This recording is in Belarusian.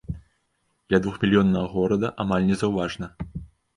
Для двухмільённага горада амаль незаўважна.